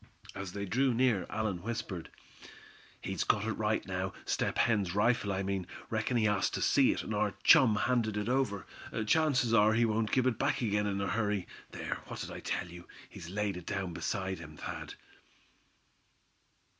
As they drew near, Allan whispered: "He's got it right now, Step Hen's rifle, I mean. Reckon he asked to see it, and our chum handed it over. Chances are he won't give it back again in a hurry. There, what did I tell you; he's laid it down beside him, Thad?"